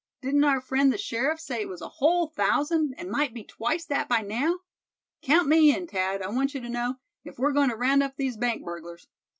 Didn't our friend the sheriff say it was a whole thousand, and might be twice that by now? Count me in, Thad, I want you to know, if we're going to round up these bank burglars.